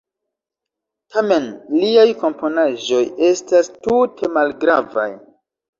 Tamen liaj komponaĵoj estas tute malgravaj.